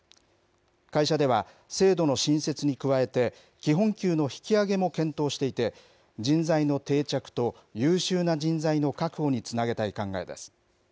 会社では、制度の新設に加えて、基本給の引き上げも検討していて、人材の定着と、優秀な人材の確保につなげたい考えです。